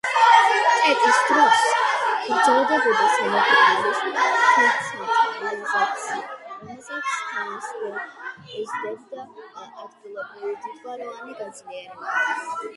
ტეტის დროს გრძელდებოდა სამეფო კარის დეცენტრალიზაცია, რომელსაც თან სდევდა ადგილობრივი დიდგვაროვნების გაძლიერება.